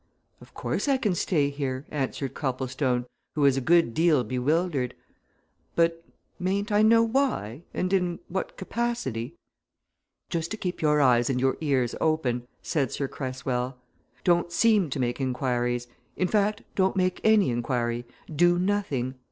"Of course I can stay here," answered Copplestone, who was a good deal bewildered. "But mayn't I know why and in what capacity?" "Just to keep your eyes and your ears open," said Sir Cresswell. "Don't seem to make inquiries in fact, don't make any inquiry do nothing.